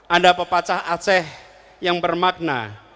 ada pepacah aceh yang bermakna